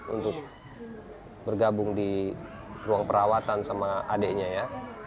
untuk bergabung di ruang perawatan sama adiknya ya